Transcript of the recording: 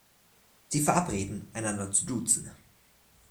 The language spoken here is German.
Sie verabreden, einander zu duzen.